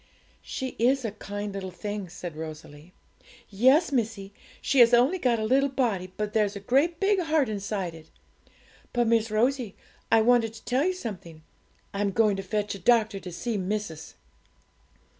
'She is a kind little thing!' said Rosalie. 'Yes, missie; she has only got a little body, but there's a great kind heart inside it. But, Miss Rosie, I wanted to tell you something; I'm going to fetch a doctor to see missis.'